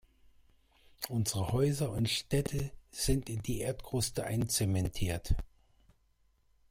Unsere Häuser und Städte sind in die Erdkruste einzementiert.